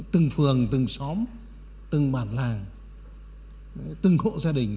từng phường từng xóm từng bản làng từng hộ gia đình